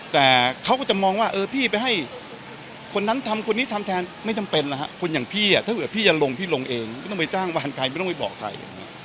พี่ก็ต้องไปจ้างว่านใครไม่ต้องไปบอกใคร